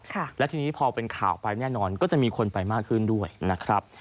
และทีนี้พอเป็นข่าวไปแน่นอนก็จะมีคนไปมากขึ้นด้วยนะครับ